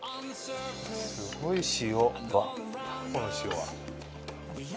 すごい塩。